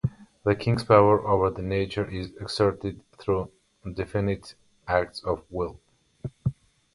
The king's power over nature is exerted through definite acts of will.